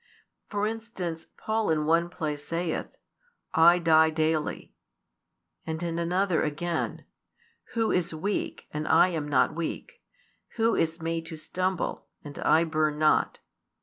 For instance, Paul in one place saith: I die daily; and in another again: Who is weak, and I am not weak? Who is made to stumble, and I burn not?